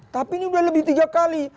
tapi ini udah lebih tiga kali